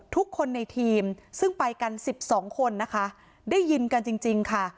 ทุกคนในทีมซึ่งไปกัน๑๒คนนะคะได้ยินกันจริงค่ะ